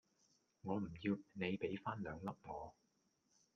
我唔要你比番兩粒我